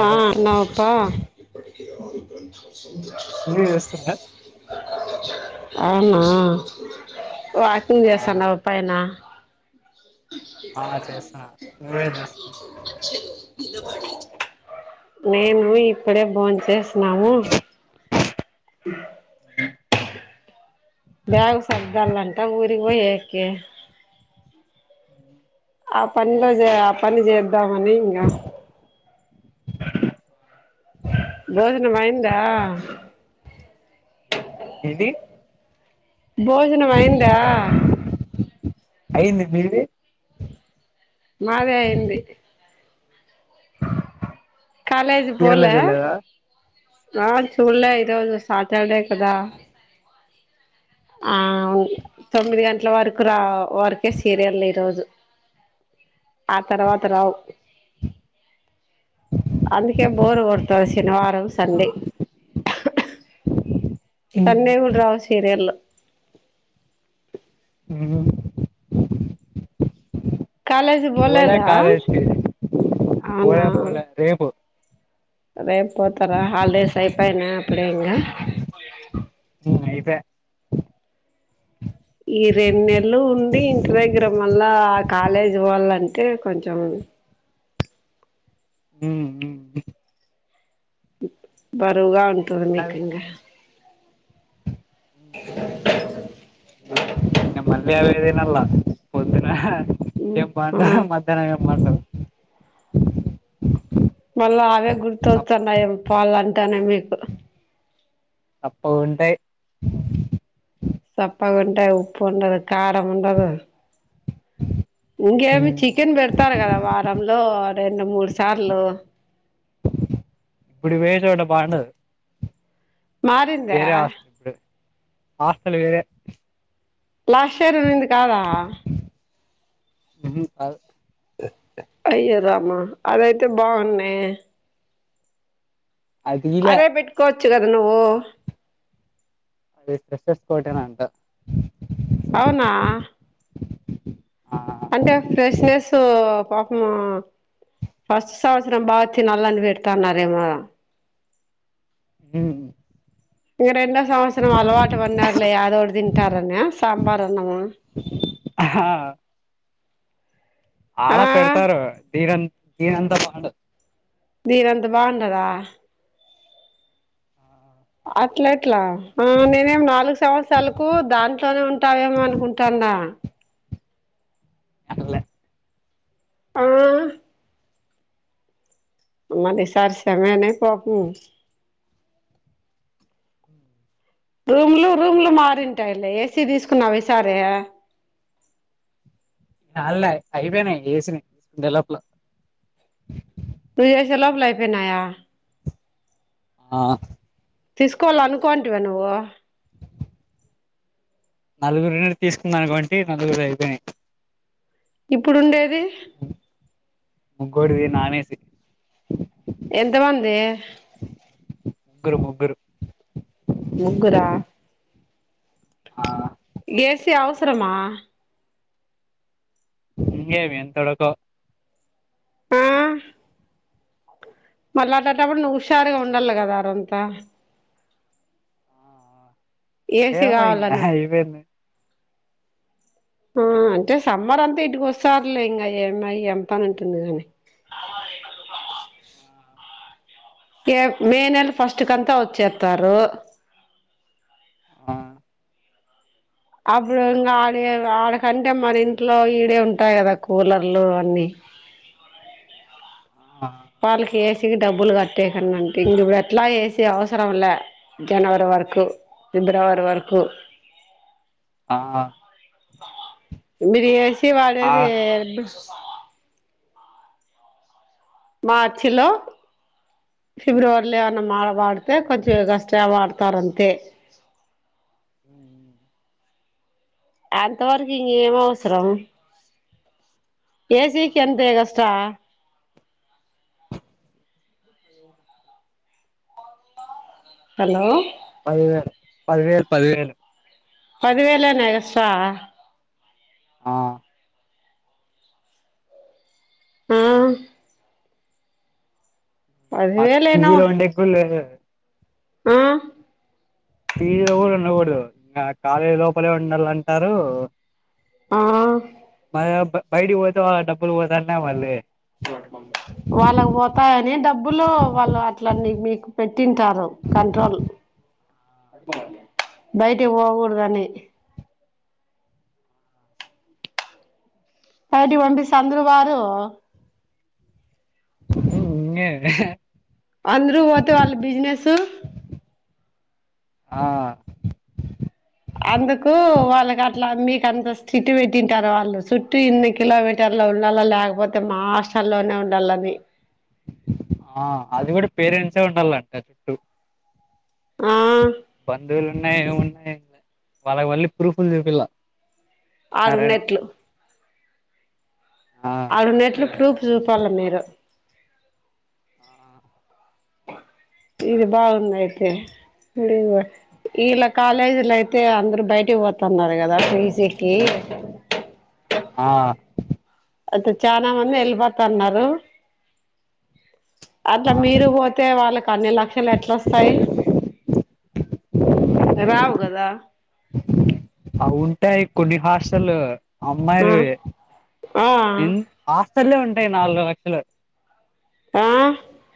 ఆ హలో నాపా నువ్వే చేస్తున్నారా అవునా ఆ పైనా ఆ చేస్తా నువ్వేం చేస్ మేమూ ఇప్పుడే భోంచేసినాము ఉ అ బ్యాగ్ సర్దాలంట ఊరికి పోయేకి ఆ పనిలో చే ఆ పని చేద్దామని ఇంగ [unintelligible] భోజనం అయ్యిందా ఇది భోజనం అయ్యిందా అయ్యింది మీది మాదీ అయ్యింది కాలేజీ చీరలో పోలే చూడలేదా ఆ చూడలే ఈరోజు సాటర్డే కదా ఆవు తొమ్మిది గంటల వరకు రా వరకే సీరియల్ ఈ రోజు ఆ తరవాత రావు అందుకే బోరు కొడుతా శనివారం సండే సండే కూడా రావు సీరియల్ లు ఊ కాలేజీ పోలే పోలేదా కాలేజ్ కి అవునా రేపు పోతారా హాలిడేస్ అయిపోయినా అప్పుడే ఇంగ ఉమ అయిపోయ ఈ రెండు నెలలు ఉండి ఇంటి దగ్గర మళ్ళా కాలేజీ పోవాలంటే కొంచెం ఊ ఊ ఊ బరువుగా ఉంటుంది మీకు అది ఇంగా అ ఇంగ మళ్ళీ అవే దినల్లా పొద్దున [inaudible] ఆ [unintelligible] మళ్ళా అవే సప్ గుర్తొత్తన్నాయి పాలంటేనే మీకు సప్పు ఉంటాయి సప్పగా ఉంటాయి ఉప్పు ఉండదు కారం ఉండదు ఇంగేమి మ్మ్ చికెన్ పెడతారు కదా వారంలో రెండు మూడు సార్లు ఇప్పుడు పొయ్యే చోట బావుండవు మారిందా వేరే హాస్టలు హాస్టల్ వేరే లాస్ట్ ఇయర్ ఉనింది కాదా ఉహూ కాదు అయ్యో రామా అదైతే బావున్నే అది ఈలే అదే పెట్టుకోవచ్చు కదా నువ్వు అది ఫ్రెష్షస్ ఒకటేనా అంటే అవునా ఆ అంటే ఫ్రెష్నెస్సు పాపము ఫస్ట్ సంవత్సరం బావ తినల్లని వెడతాన్నారేమో ఉహ్ ఇంగా రెండో సంవత్సరం అలవాటు వన్నారులే ఏదోటి తింటార అనే సాంబార్ అన్నము. ఆహ్ ఆడ ఆ పెడతారు దీనం దీనంతా బావుండద్. దీనంత బావుండదా అట్ల ఎట్లా ఆ నేనేమి నాలుగు సంవత్సరాలకు దాంట్లోనే ఉంటావేమో అనుకుంటాన్నా. అటలే ఆహ్ మరి సర్స సమైనా పోకు రూమ్లు రూమ్లు మారుంటాయిలే ఏసీ దీసుకున్నావ్ ఈసారే చాలై అయిపోయినాయి ఏసిలు డెలప్ లో నువ్వు జెషే లోపుల అయిపోయినాయ ఆ తీసుకోవాల్ అనుకోంటివే నువో నలుగురు ఉన్నారు తీసుకుందానుకోంటడి నలుగురు అయిపోయి ఇప్పుడు ఉండేది ముగోడిది నాన్ ఏసీ ఎంతమందే ముగ్గురు ముగ్గురు ముగ్గురా ఆ ఏసీ అవసరమా ఇంగేమి ఎంతడాతో ఆ మళ్ళా ఆటంటప్పుడు నువు ఉషారుగా ఉండాలి గదా ఆరోంతా ఏసీ ఏదో ఇంగా కావాలను హాయిబోయింది. ఆ అంటే సమ్మర్ అంతా ఇంటికి వస్తారులే ఇంగా ఏం ఐ ఏం పని ఉంటుంది గాని సామాన్లు [inaudible] యేప్ మే నెల ఫస్ట్ కంతా వచ్చేతారు. ఆ అప్పుడు ఇంగా ఆడే ఆడకంటే మన ఇంట్లో ఈడే ఉంటాయి కదా కూలర్లు అన్ని ఆ వాళ్ళకి ఏసికి డబ్బులు కట్టే కన్నాంటే ఇంగా ఇప్పుడు ఎట్లా ఏసి అవసరం లే జనవరి వరకు ఫిబ్రవరి వరకు ఆ మీరు ఏసీ ఆ వాడేది బిస్ మార్చిలో ఫిబ్రవరిలో ఏమన్నా మాడ వాడితే కొంచెం కష్ట వాడతారుంతే ఉ అంతవరకు ఇంగా ఏం అవసరం ఏసీకి ఎంత ఎగస్టా హలో పదివే పది వేల్ పదివేలాన్. పదివేలన్నా ఎగస్టా. ఆ ఆ అట్ పదివేలేనో పిజీలో ఉండేక్ లేదు. ఆ పి జి లో కూడా ఉండకూడదు ఆ కాలేజీ లోపలే ఉండాలంటారు ఆ మల్ బయతికి పోతే డబ్బులు ఓతాన్న మళ్ళీ ఓహో వాళ్ళకు పోతాయని డబ్బులు వాళ్ళు అట్లన్న మీకు పెట్టింటారు కంట్రోల్ బయటికి పోకుడదని బయటికి పంపిస్తే అందరు పోరు మ్ ఇంకేంది అందరు పోతే వాళ్ళ బిజినెస్ ఆ అందుకు వాళ్ళకి అట్లా మీకంత స్ట్రైక్ట్ పెట్టింటారు వాళ్ళు చుట్టూ ఇన్ని కిల పెట్ టర్ లో ఉండాల లేకపోతే మా హాస్టలోనే ఉండాలని ఆ అది కూడా పేరెంట్స్ ఉండాలంట చుట్టూ ఆ బంధువులు ఉన్నాయి ఏమున్నా వాళ్ళకి మళ్ళీ ప్రూఫ్లు చూపియలా ఆడునట్లు ఆ ఆడునట్లు ప్రూఫ్ చూపాలే మీరు ఇది బాగుంది అయితే లివర్ ఇళ్ళ కాలేజీల అయితే అందరు బయటికి పోతున్నారు కదా పీజికి ఆ అయితే చాలా మంది వెళ్ళిపోతున్నారు అట్లా మీరు పోతే వాళ్ళకి అన్ని లక్షలు ఎట్లొస్తాయి రావు కదా అవుంటాయి కొన్ని హాస్టలు అమ్మాయిలవి ఆ ఎ ఆ హాస్టల్లే ఉంటాయి నాలుగు లక్షలు ఆ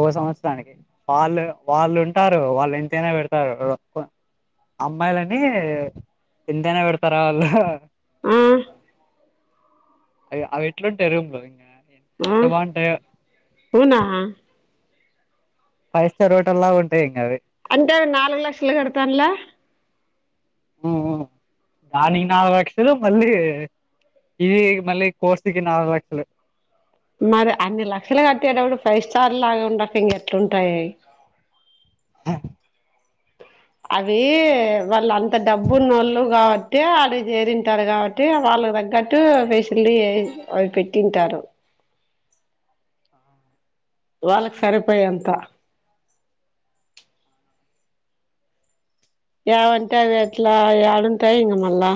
ఒక సంవత్సరానికి వాళ్ళు వాళ్ళు ఉంటారు వాళ్ళు ఎంతైనా పెడుతారు అమ్మాయిలని ఎంతైనా పెడుతారు వాళ్ళు ఆ అవి అవి ఎట్లా ఉంటయి ఇంగ ఆ ఎంత బాగుంటాయో అవునా ఫైవ్ స్టార్ హోటల్లాగ ఉంటాయి ఇంగ అవి అంటే నాలుగు లక్షలు కడుతండ్ల ఆ అ దానికి నాలుగు లక్షలు మళ్ళీ ఇది మళ్ళీ కోర్సుకి నాలుగు లక్షలు మరి అన్ని లక్షలు కట్టేటప్పుడు ఫైవ్ స్టార్ లాగా ఉండాక ఇంగ ఎట్లుంటాయి అ అవి వాళ్ళు అంత డబ్బు నోళ్లు కాబట్టే అడికి చేరింటారు కాబట్ ట్టి వాళ్ళ తగ్గట్టు ఫెసిలిటీ అవి పెట్టింటారు వాళ్ళకి సరిపోయెంత ఏవంటా అవి ఎట్లా ఏడుంటాయి ఇంగ మళ్ళా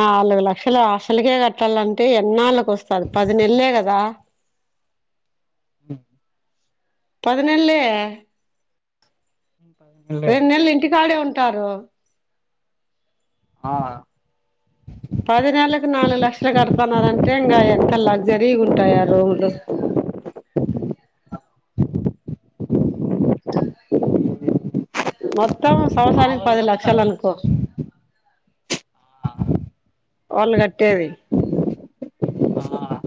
నాలుగు లక్షలు హాస్టల్ కే కట్టాలంటే ఎన్నాళ్ కోస్తంది పది నెల్లే కదా ఉ పదినెళ్ళే. పదినెల్లు. రెండు నెల్లు ఇంటి కాడే ఉంటారు. ఆ పది నెలలకు నాలుగు లక్షలు కడుతున్నారంటే. ఇంకా ఎంత లగ్జరీ గుంటాయి ఆ రూమ్లు. మొత్తం సంవత్సరానికి పది మామూలుగా లక్షలు అనుకో. ఆ, వాళ్ళు కట్టేది. ఆ,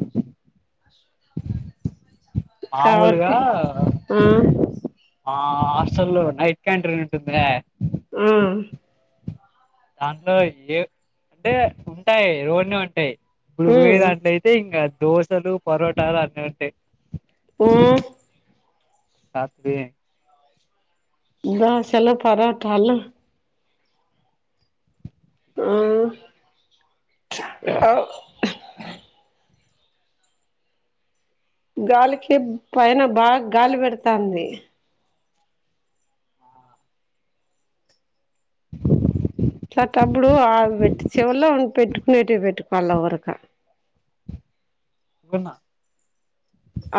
మాముూల్ గా. కాబట్టి ఆ ఆ హాస్టల్లో నైట్ క్యాంట్రీన్ ఉందే. ఉ దాంట్లో ఏ అంటే ఉంటాయి రో అన్ని ఉంటాయి. ఇప్పుడు పోయే ఉమ్ దాంట్లోయితే. అంటే ఇంకా దోశలు, పరోటాలు అన్నీ ఉంటాయి. ఉమ్ రాత్రి. దోశలు, పరాటాలు. అ గాలికి పైన బాగా, గాలి పెడతాంది. ఇలాంటప్పుడు ఆ చెవిలో పెట్టుకునేటి పెట్టుకో. పళ్ళ వరకా ఉన్నా.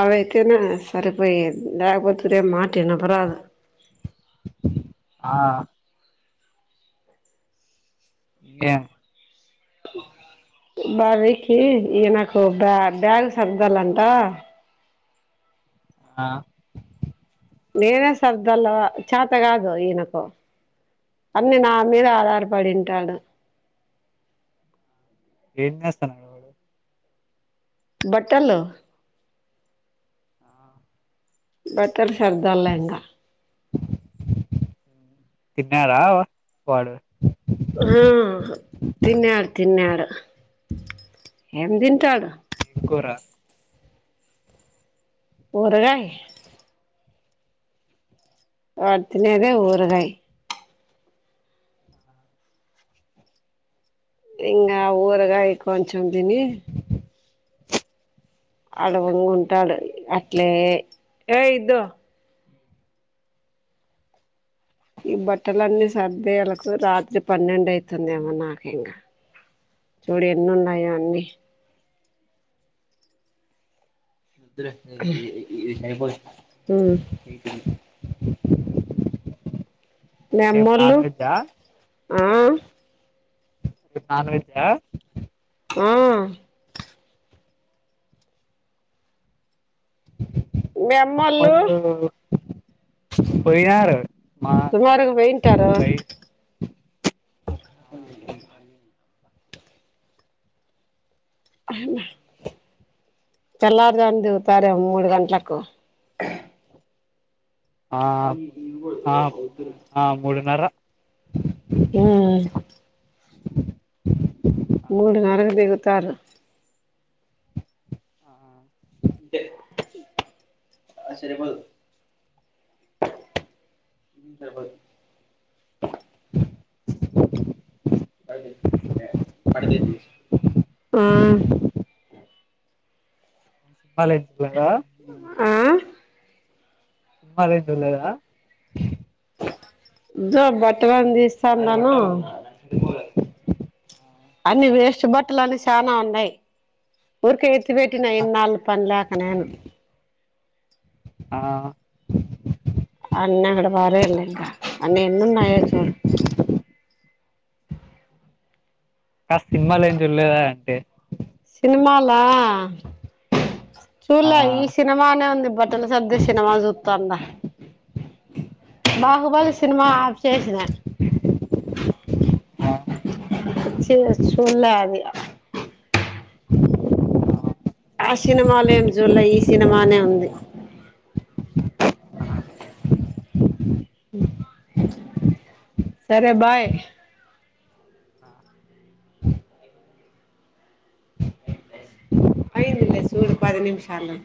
అవైతేనే సరిపోయేది లేకపోతే నా మాట ఇనపరాదు. ఆ గే బడికి ఈయనకు బ్యాగ్ సర్దాలంటా. ఆ నేనే సర్ధాలా చాత గాదు ఈనకు. అన్ని నా మీద ఆధారపడింటాడు. ఏంచేస్తాన్నారు. బట్టల్లో. ఆ బట్టలు సర్దాన్లే ఇంకా. తిన్నారా వాడు. ఆ తిన్నాడు తిన్నాడు. ఏం తింటాడు. ఏం కూర. ఊరగాయే. వాడు తినేది ఊరగాయే. ఇంకా ఊరకాయ కొంచం తిని. అడవంగుంటాడు అట్లే ఏ ఇద్దు. ఈ బట్టల అన్నీ సర్దేలకు రాత్రి పన్నెండు అయితుందేమో నాకు ఇంకా. చూడు ఎన్ని ఉన్నాయో అన్నీ. ఉ మీ రేపు అమ్మోళ్ళు నాన్ వెజ్జా ఆ. నాన్వేజ్ ఆ. ఆ మీ అమ్మోళ్ళు వెళ్ళా మా సుమారుగా పొయింటారు బై ఫోన్ చెయ్ పెయింటర్ తెల్లారుజామున దిగుతారేమో మూడు గంటలకు ఆ ఆ ఆ మూడున్నర ఆ ఆ మూడున్నర కు దిగుతారు ఆ అంటే ఆ సరిపోదు ఏం సరిపోద్ది ఆమ్ బాలే పిల్లాగా అమ్ మారేం తిన్నలేదా ఇదో బట్టలని తీస్తానాను ఆ అన్ని వేస్ట్ బట్టలు అన్ని చానా ఉన్నాయి ఊరికే ఎత్తి పెట్టిన ఆ ఇన్నాళ పనిలేక నేను ఆ అన్న అడ పారేయాల ఇంకా అన్ని ఎన్ని ఉన్నాయో చూడు హ్య సినిమాలో ఏం చూడలేదా ఎంటే సినిమాల ఆ చూడలే ఈ సినిమానే ఉంది బట్ బట్టలు సర్దే సినిమా చూత్తన్న బాహుబాలి సినిమా చేసిన చూడలే అది [inaudible] ఆ సినిమాల ఏం చూడలే ఈ సినిమానే ఉంది ఉమ్ సరే బాయ్ అయిందిలే చూడు పది నిమిషాలు